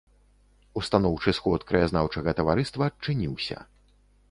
Устаноўчы сход краязнаўчага таварыства адчыніўся.